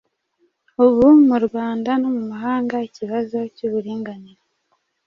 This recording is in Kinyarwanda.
Ubu mu Rwanda no mu mahanga ikibazo cy’uburinganire